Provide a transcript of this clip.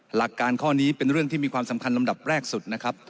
หลักการข้อนี้เป็นเรื่องที่มีความสำคัญลำดับแรกสุดนะครับ